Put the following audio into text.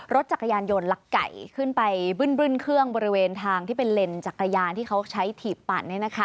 รถจักรยานยนต์ลักไก่ขึ้นไปบึ้นเครื่องบริเวณทางที่เป็นเลนส์จักรยานที่เขาใช้ถีบปั่น